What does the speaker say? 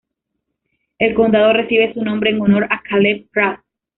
El condado recibe su nombre en honor a Caleb Pratt.